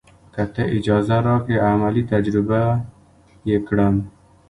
که تۀ اجازه راکړې عملي تجربه یې کړم.